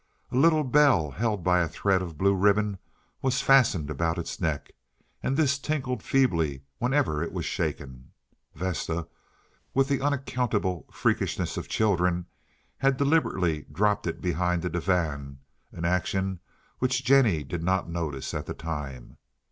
A little bell held by a thread of blue ribbon was fastened about its neck, and this tinkled feebly whenever it was shaken. Vesta, with the unaccountable freakishness of children had deliberately dropped it behind the divan, an action which Jennie did not notice at the time.